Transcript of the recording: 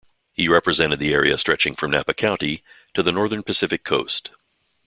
He represented the area stretching from Napa County to the northern Pacific coast.